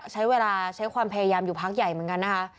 ใช้เวลาใช้ความพยายามอยู่พักใหญ่เหมือนกันนะคะ